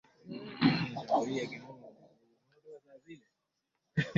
na tisa Mwaka uliofuata baada ya Iraki kuivamia Kuwait Bush aliunda muungano wa Umoja